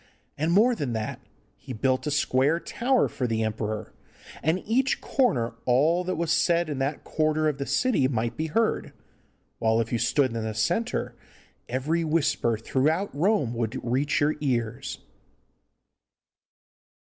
And more than that, he built a square tower for the emperor, and in each corner all that was said in that quarter of the city might be heard, while if you stood in the centre every whisper throughout Rome would reach your ears.